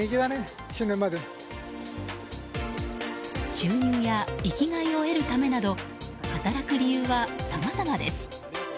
収入や生きがいを得るためなど働く理由は、さまざまです。